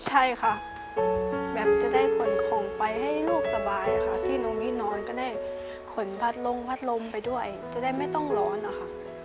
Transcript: ใช่ค่ะแบบจะได้ขนของไปให้ลูกสบายค่ะที่หนูมีนอนก็ได้ขนพัดลงพัดลมไปด้วยจะได้ไม่ต้องร้อนนะคะ